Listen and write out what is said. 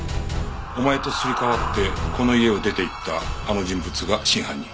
お前とすり替わってこの家を出て行ったあの人物が真犯人。